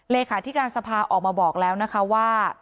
เลขาธิการสภาออกมาบอกแล้วนะคะว่า